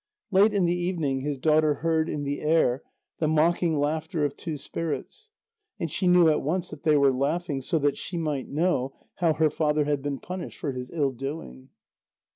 Late in the evening, his daughter heard in the air the mocking laughter of two spirits. And she knew at once that they were laughing so that she might know how her father had been punished for his ill doing.